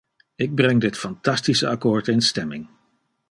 Ik breng dit fantastische akkoord in stemming.